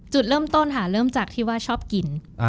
จุดเริ่มต้นค่ะเริ่มจากที่ว่าชอบกิน